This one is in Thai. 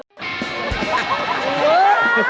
รสไม่ได้